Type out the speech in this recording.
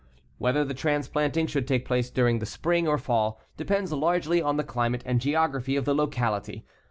Whether the transplanting should take place during the spring or fall depends largely on the climate and geography of the locality.